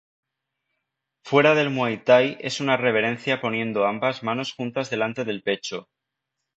Fuera del muay thai es una reverencia poniendo ambas manos juntas delante del pecho.